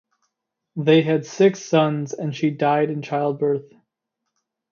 They had six sons and she died in childbirth.